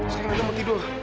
sekarang edo mau tidur